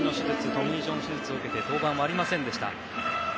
トミー・ジョン手術を受けて登板はありませんでした。